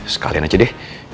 sekalian aja deh